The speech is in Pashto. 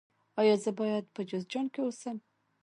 ایا زه باید په جوزجان کې اوسم؟